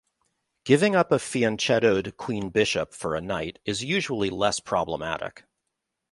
Giving up a fianchettoed queen bishop for a knight is usually less problematic.